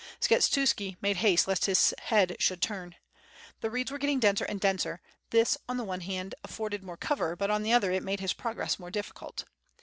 Skshetuski made haste lest his head should turn. The reeds were getting denser ajid denser, this on the one hand afforded more cover, but on the other it made his progress more ditticult.